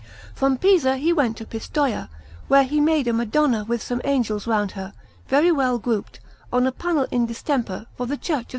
From Pisa he went to Pistoia, where he made a Madonna with some angels round her, very well grouped, on a panel in distemper, for the Church of S.